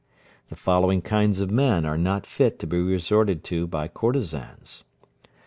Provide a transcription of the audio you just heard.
The following kinds of men are not fit to be resorted to by courtesans, viz.